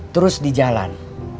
terus di jalan